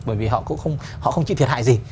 bởi vì họ không chịu thiệt hại gì